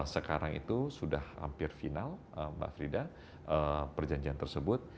sekarang itu sudah hampir final mbak frida perjanjian tersebut